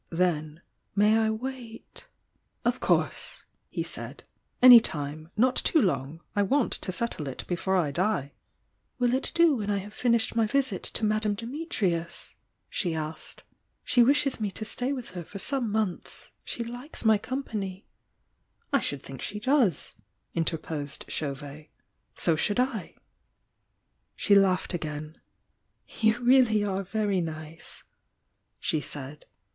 Then; "May I wait " "Of course!" he said. "Any time! Not too long — I want to settle it before I die!" "Will it do when I have finished my visit to Madame Dimitrius?" she asked. "She wishes me to stay with her for some months — she likes my com pany " "I should think she does!" interposed Chauvet. "So should I!" She laughed again. "You really are very nice!" she said.